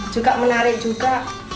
juga menarik juga